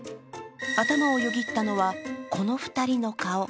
頭をよぎったのは、この２人の顔。